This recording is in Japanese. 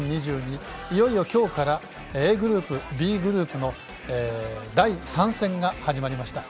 いよいよ、今日からＡグループ、Ｂグループの第３戦が始まりました。